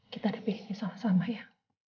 kita hadapi sama sama ya